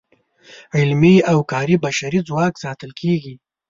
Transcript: علمي او کاري بشري ځواک ساتل کیږي.